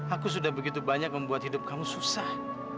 aku sudah begitu banyak membuat hidup kamu susah